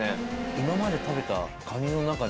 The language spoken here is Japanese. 今まで食べたカニの中で。